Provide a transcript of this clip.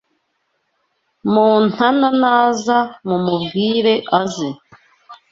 Montana naza mumubwire aze